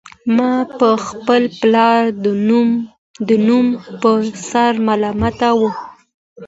ما به خپل پلار د نوم په سر ملامتاوه